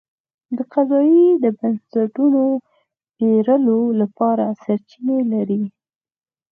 د قضایي بنسټونو پېرلو لپاره سرچینې لري.